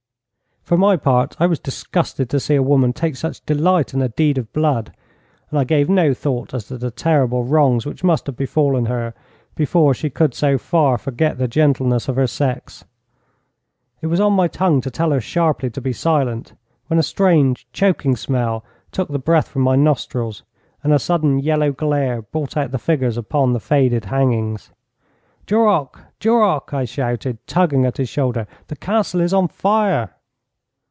For my part I was disgusted to see a woman take such delight in a deed of blood, and I gave no thought as to the terrible wrongs which must have befallen her before she could so far forget the gentleness of her sex. It was on my tongue to tell her sharply to be silent, when a strange, choking smell took the breath from my nostrils, and a sudden, yellow glare brought out the figures upon the faded hangings. 'Duroc, Duroc!' I shouted, tugging at his shoulder. 'The Castle is on fire!'